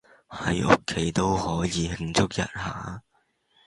喺屋企都可以慶祝一下